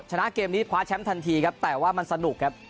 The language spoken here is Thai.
ชนะเกมนี้คว้าแชมป์ทันทีครับแต่ว่ามันสนุกครับ